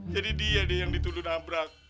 jadi dia deh yang dituduh nabrak